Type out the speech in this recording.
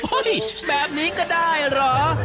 โอ๊ยแบบนี้ก็ได้เหรอ